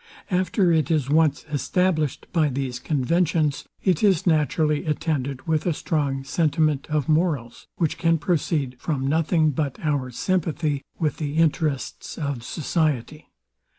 After it is once established by these conventions, it is naturally attended with a strong sentiment of morals; which can proceed from nothing but our sympathy with the interests of society.